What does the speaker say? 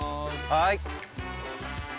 はい。